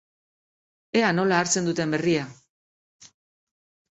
Ea nola hartzen duten berria!